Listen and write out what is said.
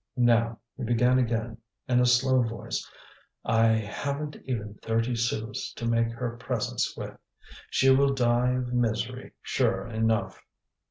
"Now," he began again, in a slow voice, "I haven't even thirty sous to make her presents with. She will die of misery, sure enough."